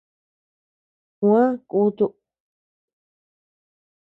Kuä kutu.